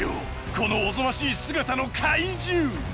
このおぞましい姿の怪獣。